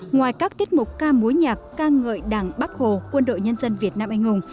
ngoài các tiết mục ca mối nhạc ca ngợi đảng bắc hồ quân đội nhân dân việt nam anh hùng